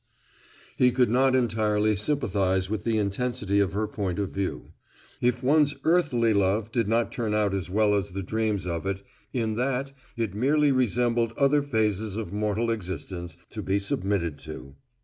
He could not entirely sympathize with the intensity of her point of view. If one's earthly love did not turn out as well as the dreams of it, in that it merely resembled other phases of mortal existence, to be submitted to.